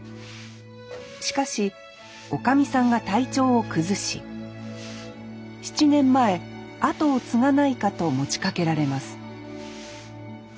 しかしおかみさんが体調を崩し７年前後を継がないかと持ちかけられます